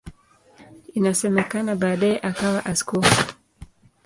Inasemekana baadaye akawa askofu.